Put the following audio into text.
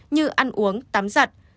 như ăn uống tắm giặt